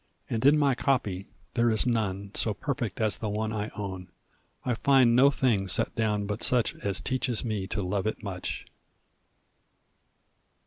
And in my copy there is none So perfect as the one I own I find no thing set down but such As teaches me to love it much.